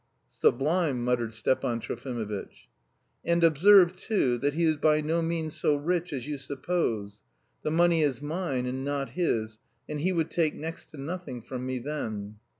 "Sublime," muttered Stepan Trofimovitch. "And observe, too, that he is by no means so rich as you suppose. The money is mine and not his, and he would take next to nothing from me then."